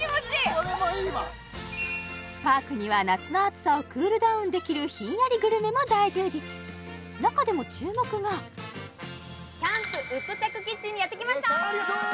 これもいいわパークには夏の暑さをクールダウンできるひんやりグルメも大充実中でも注目がキャンプ・ウッドチャック・キッチンにやってきました！